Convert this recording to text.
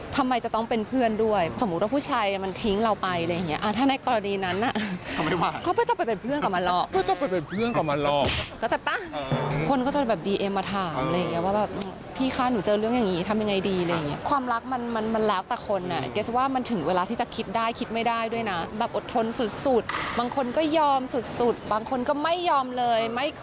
ทำไมจะต้องเป็นเพื่อนด้วยสมมุติว่าผู้ชายมันทิ้งเราไปอะไรอย่างนี้ถ้าในกรณีนั้นก็ไม่ต้องไปเป็นเพื่อนกับมันหรอกเขาจะตั้งคนก็จะแบบดีเอ็มมาถามพี่คะหนูเจอเรื่องอย่างนี้ทำยังไงดีความรักมันมันมันแล้วแต่คนเนี่ยเกรสว่ามันถึงเวลาที่จะคิดได้คิดไม่ได้ด้วยนะแบบอดทนสุดบางคนก็ยอมสุดบางคนก็ไม่ยอมเลยไม่คอ